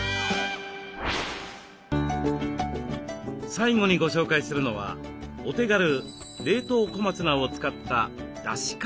最後にご紹介するのはお手軽冷凍小松菜を使っただし解凍。